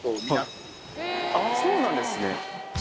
そうなんですね。